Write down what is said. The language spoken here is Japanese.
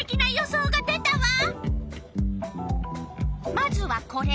まずはこれ。